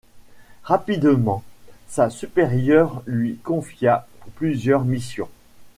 Rapidement sa supérieure lui confia plusieurs missions.